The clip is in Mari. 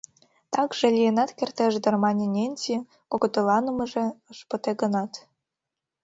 — Такше... лийынат кертеш дыр, — мане Ненси, кокытеланымыже ыш пыте гынат.